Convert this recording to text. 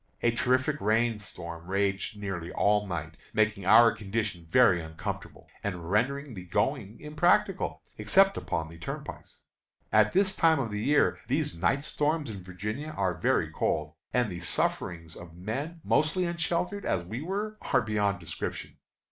A terrific rain storm raged nearly all night, making our condition very uncomfortable, and rendering the going impracticable, except upon the turnpikes. At this time of the year these night storms in Virginia are very cold, and the sufferings of men mostly unsheltered, as we were, are beyond description.